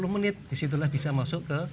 tiga puluh menit disitulah bisa masuk ke